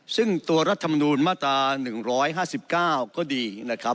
ซึ่งตัวรัฐธรรมนุมมาตรา๑๕๙ก็ดี